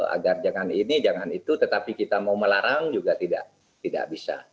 agar jangan ini jangan itu tetapi kita mau melarang juga tidak bisa